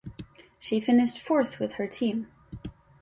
She finished fourth with her team.